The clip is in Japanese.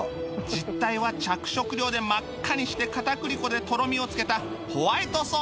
実体は着色料で真っ赤にして片栗粉でとろみをつけたホワイトソース